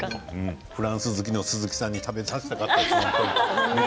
フランス好きの鈴木さんに食べさせてあげたかった。